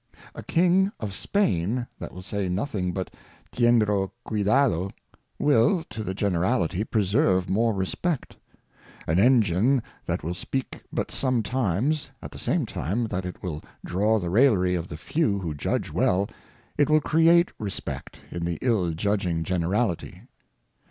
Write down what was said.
A King of Spain that will say nothing but Tiendro cuydado, will, to King Charles II. 201 to the generality, preserve more Respect ; an Engine that will ' speak but sometimes, at the same time that it will draw the Raillery of the Few who judge well, it will create Respect in , the ill judging Generality.